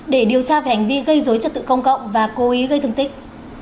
để điều tra về hành vi gây dối trật tự công cộng và cố ý gây thương tích